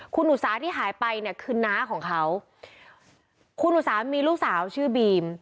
คุณอุตสาที่หายไปเนี่ยคือน้าของเขาคุณอุสามีลูกสาวชื่อบีม